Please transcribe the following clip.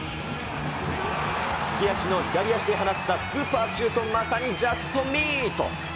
利き足の左足で放ったスーパーシュート、まさにジャストミート。